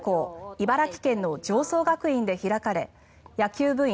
茨城県の常総学院で開かれ野球部員